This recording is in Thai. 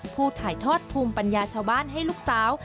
ถ่ายทอดภูมิปัญญาชาวบ้านให้ลูกสาว